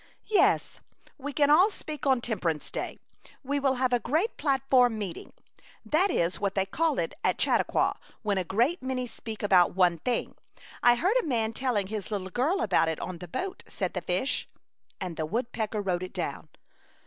" Yes, we can all speak on Tem perance Day ; we will have a great A Chautauqua Idyl. 79 platform meeting. That is what they call it at Chautauqua when a great many speak about one thing. I heard a man telling his little girl about it on the boat/' said the fish. And the woodpecker wrote it down.